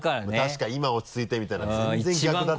確かに今は落ち着いてみたいな全然逆だったりね。